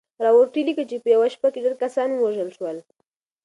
راورټي ليکي چې په يوه شپه کې ډېر کسان ووژل شول.